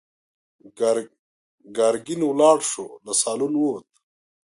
ګرګين ولاړ شو، له سالونه ووت.